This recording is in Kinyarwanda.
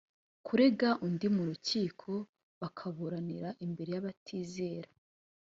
kurega undi mu rukiko bakaburanira imbere y abatizera